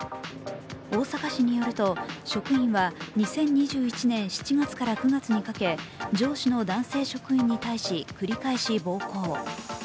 大阪市によると、職員は２０２１年７月から９月にかけ上司の男性職員に対し繰り返し暴行。